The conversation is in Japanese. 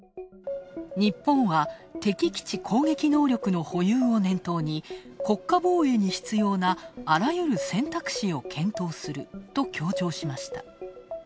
日本は、敵基地攻撃能力の保有を念頭に「国家防衛に必要なあらゆる選択肢を検討する」と強調しました。